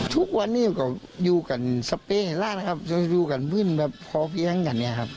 ทุกวันนี้เราอยู่กันเวลาเวลานะครับอยู่กันหลายกว่าพอที่นั่นกันนี่ครับ